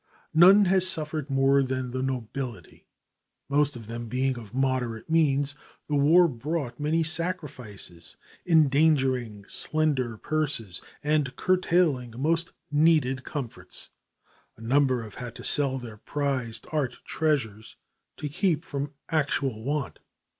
None has suffered more than the nobility. Most of them being of moderate means, the war brought many sacrifices, endangering slender purses and curtailing most needed comforts. A number have had to sell their prized art treasures to keep from actual want.